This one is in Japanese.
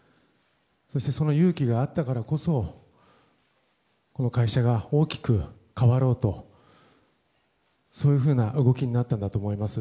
そしてその勇気があったからこそこの会社が大きく変わろうとそういうふうな動きになったんだと思います。